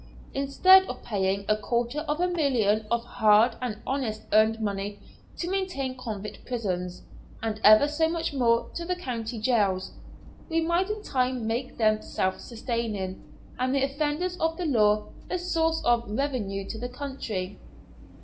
Instead of paying a quarter of a million of hard and honest earned money to maintain convict prisons, and ever so much more to the county jails, we might in time make them self sustaining, and the offenders of the law a source of revenue to the country.